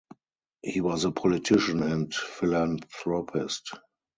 He was a politician and philanthropist.